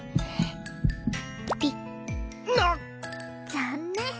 残念。